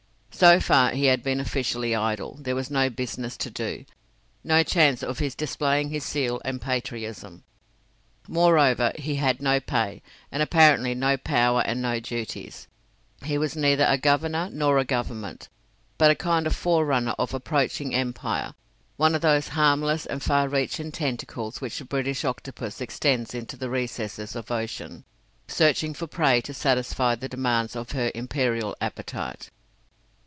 So far he had been officially idle; there was no business to do, no chance of his displaying his zeal and patriotism. Moreover, he had no pay, and apparently no power and no duties. He was neither a Governor nor a Government, but a kind of forerunner of approaching empire one of those harmless and far reaching tentacles which the British octopus extends into the recesses of ocean, searching for prey to satisfy the demands of her imperial appetite.